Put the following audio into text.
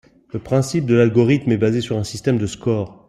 Le principe de l'algorithme est basé sur un système de score.